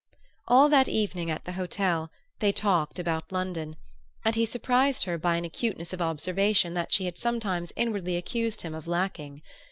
All that evening, at the hotel, they talked about London, and he surprised her by an acuteness of observation that she had sometimes inwardly accused him of lacking.